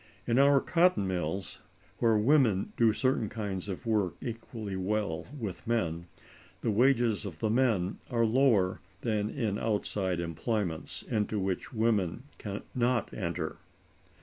In our cotton mills, where women do certain kinds of work equally well with men, the wages of the men are lower than in outside employments into which women can not enter.